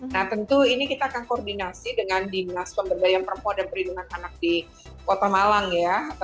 nah tentu ini kita akan koordinasi dengan dinas pemberdayaan perempuan dan perlindungan anak di kota malang ya